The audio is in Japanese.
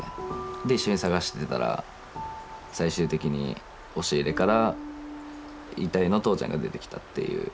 で一緒に捜してたら最終的に押し入れから遺体の父ちゃんが出てきたっていう。